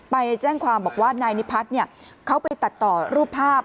ไปแจ้งความบอกว่านายนิพัฒน์เขาไปตัดต่อรูปภาพ